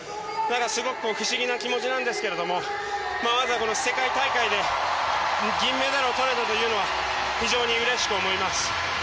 すごく不思議な気持ちですけどもまずは世界大会で銀メダルをとれたというのは非常にうれしく思います。